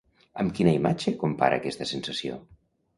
Amb quina imatge compara aquesta sensació?